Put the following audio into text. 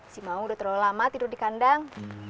si maung udah terlalu lama tidur di kandang